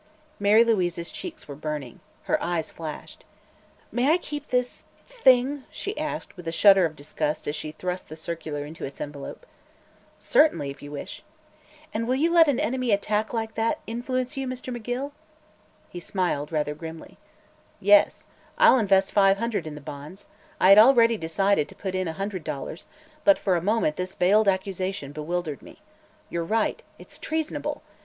Mary Louise's cheeks were burning. Her eyes flashed. "May I keep this thing?" she asked, with a shudder of disgust as she thrust the circular into its envelope. "Certainly, if you wish." "And will you let an enemy attack like that influence you, Mr. McGill?" He smiled, rather grimly. "Yes. I'll invest five hundred in the bonds. I had already decided to put in a hundred dollars, but for a moment this veiled accusation bewildered me. You're right; it's treasonable.